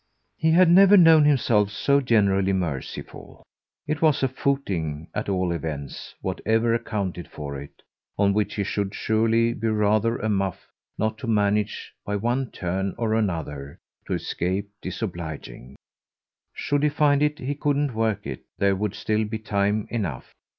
He had never known himself so generally merciful. It was a footing, at all events, whatever accounted for it, on which he should surely be rather a muff not to manage by one turn or another to escape disobliging. Should he find he couldn't work it there would still be time enough.